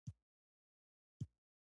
له یوې خوني تر بلي پوری تلله